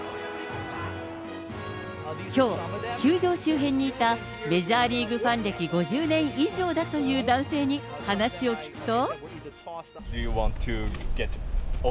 きょう、球場周辺にいたメジャーリーグファン歴５０年以上だという男性に話を聞くと。